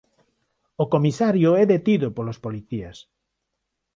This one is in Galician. O comisario é detido polos policías.